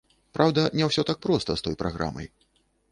Праўда, не ўсё так проста з той праграмай.